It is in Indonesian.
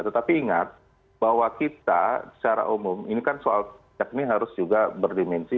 tetapi ingat bahwa kita secara umum ini kan soal yakni harus juga berdimensi